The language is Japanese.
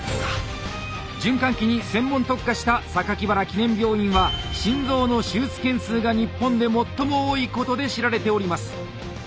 循環器に専門特化した原記念病院は心臓の手術件数が日本で最も多いことで知られております。